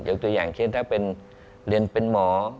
ยกตัวอย่างเช่นถ้าเรียนเป็นหมอ